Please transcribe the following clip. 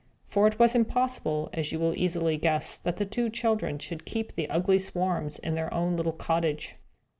For it was impossible, as you will easily guess, that the two children should keep the ugly swarms in their own little cottage.